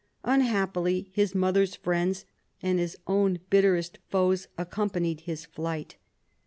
Unhappily his mother's friends and his own bitterest foes accompanied his flight.